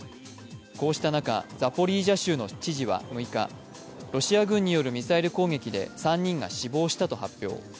こうした中、ザポリージャ州の知事は６日ロシア軍によるミサイル攻撃で３人が死亡したと発表。